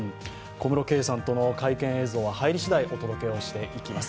小室圭さんとの会見映像は入り次第、お届けしていきます。